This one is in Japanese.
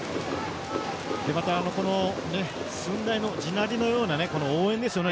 また、この駿台の地鳴りのような応援ですよね。